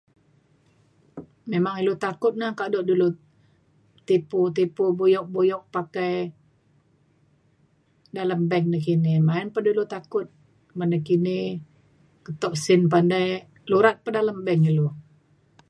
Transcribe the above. memang ilu takut na kado dulu tipu tipu buyuk buyuk pakai dalem bank nakini. main pa dulu takut ban nakini keto sin pandai lurat pa dalem bank ilu